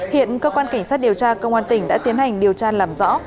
hiện cơ quan cảnh sát điều tra công an tỉnh đã tiến hành điều tra làm rõ